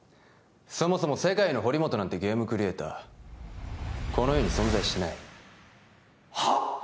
そもそも世界の堀本なんてゲームクリエイターこの世に存在しないはあ！？